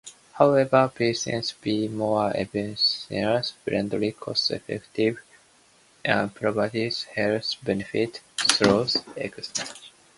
However, bicycles are more environmentally friendly, cost-effective, and provide health benefits through exercise.